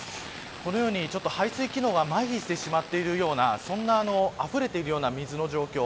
このように排水機能がまひしてしまっているようなあふれているような水の状況。